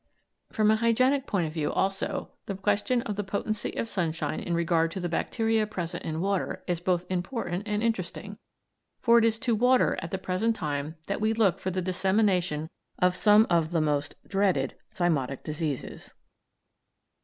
From a hygienic point of view, also, the question of the potency of sunshine in regard to the bacteria present in water is both important and interesting, for it is to water at the present time that we look for the dissemination of some of the most dreaded zymotic diseases.